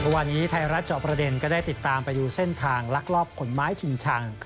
วันนี้ไทยรัฐเจาะประเด็นก็ได้ติดตามไปดูเส้นทางลักลอบขนไม้ชิงชัง